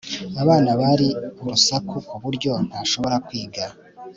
Abana bari urusaku kuburyo ntashobora kwiga